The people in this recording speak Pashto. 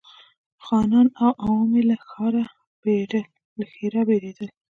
خانان او عوام یې له ښرا بېرېدل.